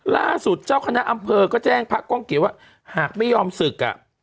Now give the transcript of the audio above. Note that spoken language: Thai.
เจ้าคณะอำเภอก็แจ้งพระก้องเกียจว่าหากไม่ยอมศึกอ่ะ